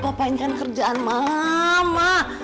papa inginkan kerjaan mama